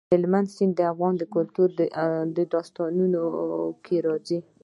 هلمند سیند د افغان کلتور په داستانونو کې راځي.